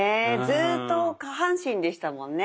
ずっと下半身でしたもんね